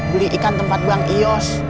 beli ikan tempat bang ios